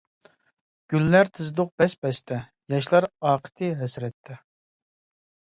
گۈللەر تىزدۇق بەس-بەستە، ياشلار ئاقتى ھەسرەتتە.